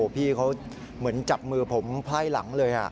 พี่เขาเหมือนจับมือผมไพ่หลังเลย